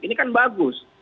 ini kan bagus